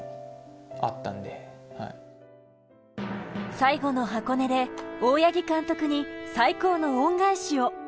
最後の箱根で大八木監督に最高の恩返しを。